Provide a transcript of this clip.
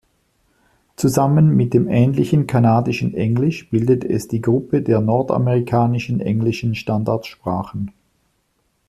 Zusammen mit dem ähnlichen kanadischen Englisch bildet es die Gruppe der nordamerikanischen englischen Standardsprachen.